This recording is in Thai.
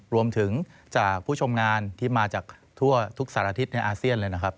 รวมถึงจากผู้ชมงานที่มาจากทั่วทุกสารทิศในอาเซียนเลยนะครับ